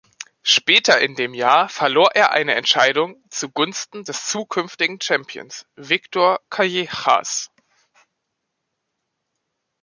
Später in dem Jahr verlor er eine Entscheidung zugunsten des zukünftigen Champions Victor Callejas.